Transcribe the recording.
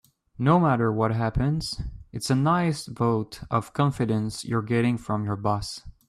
No matter what happens, it's a nice vote of confidence you're getting from your boss.